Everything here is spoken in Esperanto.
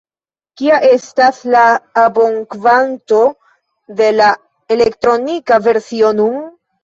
Kia estas la abonkvanto de la elektronika versio nun?